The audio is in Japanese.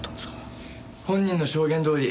本人の証言どおり